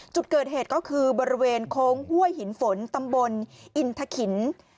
จุดเกิดเหตุก็คือบริเวณโค้งห้วยหินฝนตำบลอินทะขิน